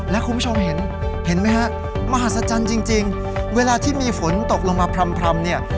และคุณผู้ชมเห็นเห็นไหมฮะมหัศจรรย์จริงเวลาที่มีฝนตกลงมาพร่ำเนี่ย